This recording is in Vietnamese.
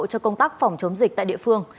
cho công tác phòng chống dịch tại địa phương